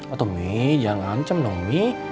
oh tuh mih jangan cem dong mih